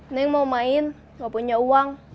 neng mau main nggak punya uang